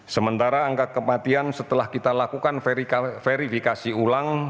sementara angka kematian setelah kita lakukan verifikasi ulang